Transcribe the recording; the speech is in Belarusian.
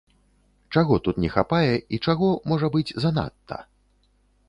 Чаго тут не хапае і чаго, можа быць, занадта?